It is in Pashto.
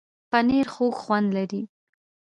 پنېر خوږ خوند لري.